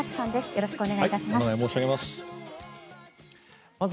よろしくお願いします。